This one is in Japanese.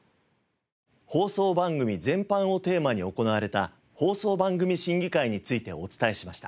「放送番組全般」をテーマに行われた放送番組審議会についてお伝えしました。